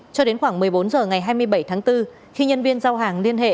cho đến khoảng một mươi bốn h ngày hai mươi bảy tháng bốn khi nhân viên giao hàng liên hệ